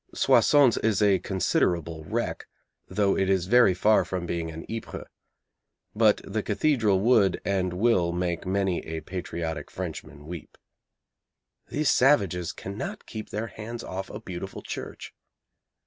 Soissons is a considerable wreck, though it is very far from being an Ypres. But the cathedral would, and will, make many a patriotic Frenchman weep. These savages cannot keep their hands off a beautiful church.